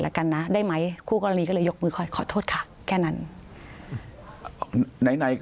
แล้วกันนะได้ไหมคู่กรณีก็เลยยกมือคอยขอโทษค่ะแค่นั้นไหน